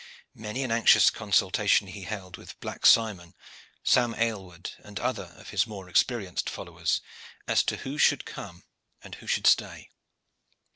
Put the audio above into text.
Many an anxious consultation he held with Black Simon, Sam Aylward, and other of his more experienced followers, as to who should come and who should stay.